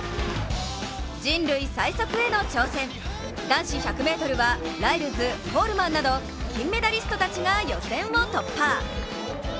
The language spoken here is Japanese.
人類最速への挑戦、男子１００ｍはライルズ、コールマンなど金メダリストたちが予選を突破。